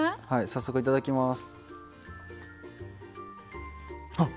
早速、いただきます。